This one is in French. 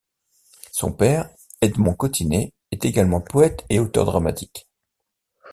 Son père, Edmond Cottinet, est également poète et auteur dramatique.